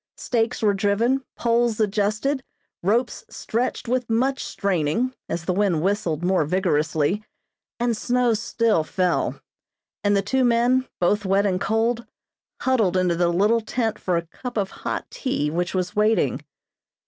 Stakes were driven, poles adjusted, ropes stretched with much straining, as the wind whistled more vigorously, and snow still fell; and the two men, both wet and cold, huddled into the little tent for a cup of hot tea which was waiting.